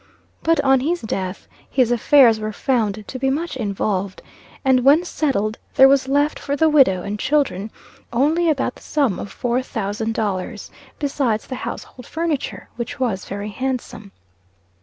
But on his death, his affairs were found to be much involved, and when settled, there was left for the widow and children only about the sum of four thousand dollars, besides the household furniture, which was very handsome.